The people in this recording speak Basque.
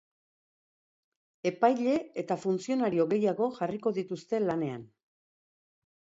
Epaile eta funtzionario gehiago jarriko dituzte lanean.